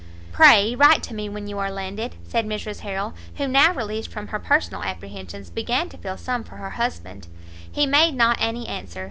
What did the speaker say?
"Pray write to me when you are landed," said Mrs Harrel, who now released from her personal apprehensions, began to feel some for her husband. He made not any answer.